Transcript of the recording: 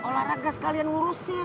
olahraga sekalian ngurusin